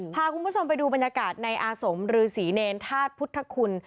พาคุณผู้ชมไปดูบรรยากาศในอาสมฤษีเนรธาตุพุทธคุณ